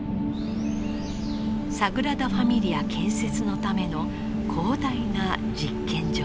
サグラダ・ファミリア建設のための広大な実験場です。